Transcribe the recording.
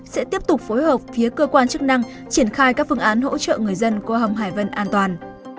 sẽ tiếp tục phối hợp phía cơ quan chức năng triển khai các phương án hỗ trợ người dân qua hầm hải vân an toàn